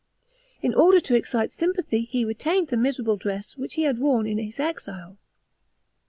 In order to excite sympathy he retained the miserable dress which he had worn in his exile.